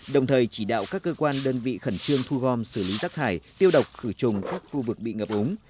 đồng thời chỉ đạo các cơ quan đơn vị khẩn trương thu gom xử lý rác thải tiêu độc khử trùng các khu vực bị ngập úng